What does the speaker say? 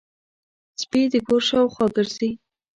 سپي د کور شاوخوا ګرځي.